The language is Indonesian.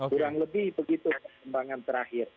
kurang lebih begitu perkembangan terakhir